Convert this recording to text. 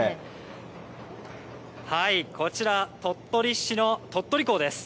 こちら、鳥取市の鳥取港です。